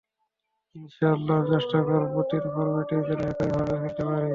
ইনশা আল্লাহ, আমি চেষ্টা করব তিন ফরম্যাটেই যেন একইভাবে খেলতে পারি।